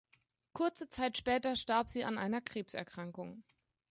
Kurze Zeit später starb sie an einer Krebserkrankung.